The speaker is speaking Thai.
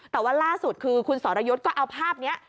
แต่ว่าล่าสุดคือคุณสรยุทธ์ก็เอาภาพนี้